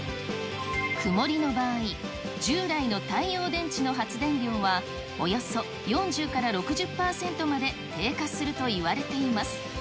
曇りの場合、従来の太陽電池の発電量はおよそ４０から６０％まで低下するといわれています。